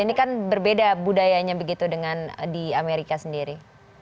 ini kan berbeda budayanya begitu dengan di amerika sendiri